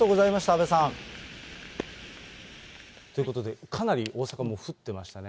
阿部さん。ということで、かなり大阪も降ってましたね。